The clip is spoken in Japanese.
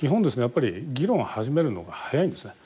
やっぱり議論を始めるのが早いんですね。